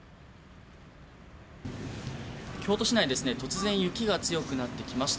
京都市内、突然雪が強くなってきました。